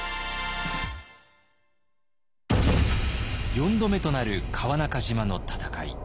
４度目となる川中島の戦い。